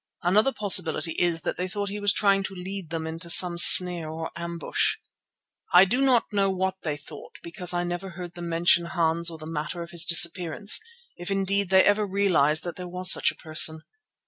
Another possibility is that they thought he was trying to lead them into some snare or ambush. I do not know what they thought because I never heard them mention Hans or the matter of his disappearance, if indeed they ever realized that there was such a person.